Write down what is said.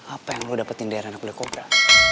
apa yang lu dapetin dari anak black cobra